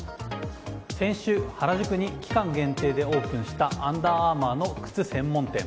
先週、原宿に期間限定でオープンしたアンダーアーマーの靴専門店。